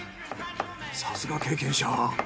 さすが経験者。